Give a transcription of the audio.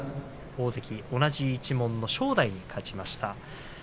大関、同じ一門の正代に勝ちました。